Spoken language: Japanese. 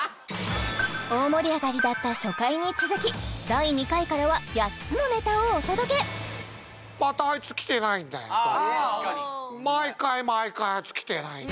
大盛り上がりだった初回に続き第２回からは８つのネタをお届け毎回毎回アイツ来てないんだよ